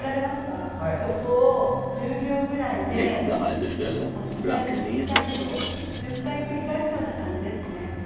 そこを１０秒ぐらいで押したり引いたりを１０回繰り返すような感じですね。